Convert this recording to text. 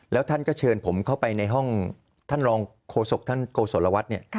แล้วท่านก็เชิญผมเข้าไปในห้องท่านรองโฆษกท่านโกศลวัฒน์เนี่ย